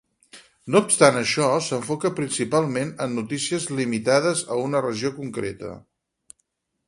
No obstant això, s'enfoca principalment en notícies limitades a una regió concreta.